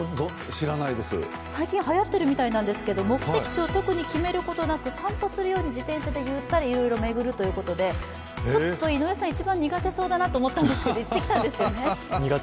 最近はやってるみたいなんですけど目的地を特に決めることなく散歩するように自転車あでいろいろ巡るということで、井上さん、一番苦手そうだなと思ったんですけど行ってきたんですよね？